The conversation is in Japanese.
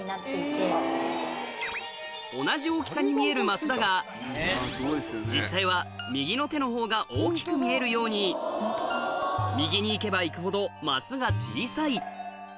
同じ大きさに見える升だが実際は右の手のほうが大きく見えるように右に行けば行くほど升が小さい